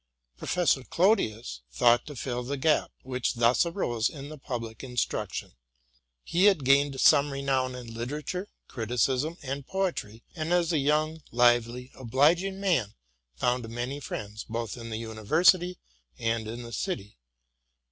Professor Clodius thought to fill the gap which thus arose in the public instruction. He had gained some renown in litera ture, criticism, and poetry, and, as a young, lively, obliging man, found many friends, both in the university and in the city.